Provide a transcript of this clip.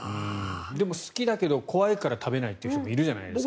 でも好きだけど怖いから食べない人もいるじゃないですか。